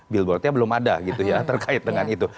billboardnya belum ada gitu ya terkait dengan itu